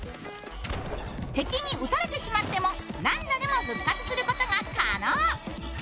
敵に撃たれてしまっても何度でも復活することが可能。